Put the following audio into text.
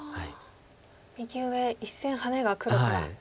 右上１線ハネが黒から。